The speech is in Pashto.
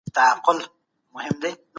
هغه په پوره امانتدارۍ خپله دنده ترسره کړې ده.